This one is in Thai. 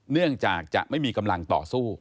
เนื่องจากจะไม่มีกำลังต่อสู้